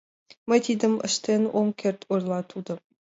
Мый тидым ыштен ом керт, — ойла тудо.